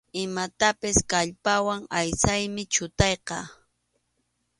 Imatapas kallpawan aysaymi chutayqa.